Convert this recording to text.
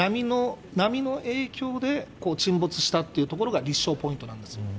波の影響で沈没したっていうことが立証ポイントなんですよね。